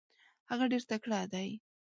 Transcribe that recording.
هغه ډیر تکړه دی.